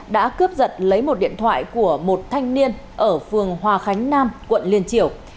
đã cướp giật lấy một điện thoại của một thanh niên ở phường hòa khánh nam quận liên triều